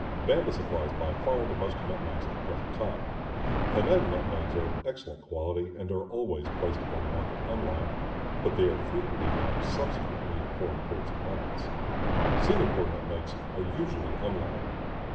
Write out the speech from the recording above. Banda supplies by far the most nutmegs at the present time. Penang nutmegs are of excellent quality and are always placed upon the market unlimed, but they are frequently limed subsequently in foreign ports and markets. Singapore nutmegs are usually unlimed.